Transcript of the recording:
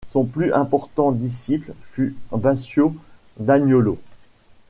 Son plus important disciple fut Baccio d'Agnolo.